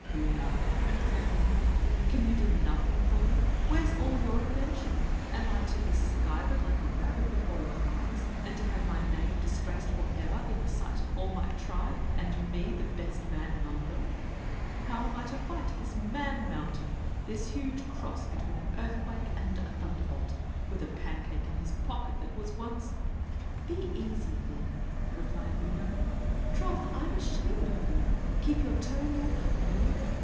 "Oonagh," said he, "can you do nothing for me? Where's all your invention? Am I to be skivered like a rabbit before your eyes, and to have my name disgraced forever in the sight of all my tribe, and me the best man among them? How am I to fight this man mountain this huge cross between an earthquake and a thunderbolt? with a pancake in his pocket that was once " "Be easy, Fin," replied Oonagh; "troth, I'm ashamed of you. Keep your toe in your pump, will you?